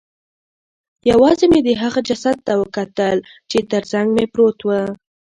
یوازې مې د هغې جسد ته کتل چې ترڅنګ مې پروت و